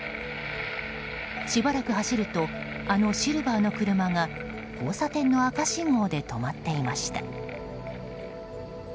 しばらく走るとあのシルバーの車が交差点の赤信号で止まっていました。